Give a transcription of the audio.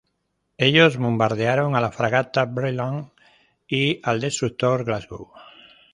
Ellos bombardearon a la fragata "Brilliant" y al destructor "Glasgow".